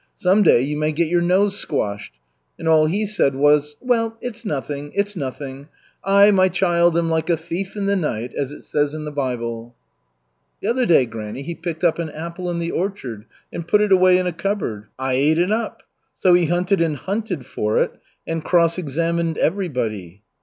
Some day you may get your nose squashed. And all he said was, 'Well, well, it's nothing, it's nothing. I, my child, am like a thief in the night, as it says in the Bible.'" "The other day, granny, he picked up an apple in the orchard, and put it away in a cupboard. I ate it up. So he hunted and hunted for it, and cross examined everybody."